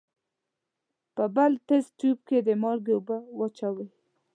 په بل تست تیوب کې د مالګې اوبه واچوئ.